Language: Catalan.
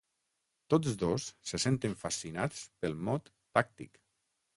Tots dos se senten fascinats pel mot "tàctic".